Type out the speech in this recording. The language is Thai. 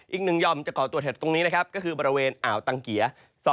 อีก๑ยอมจะก่อตัวแถวตรงนี้นะครับก็คือบริเวณอ่าวตังเกียร์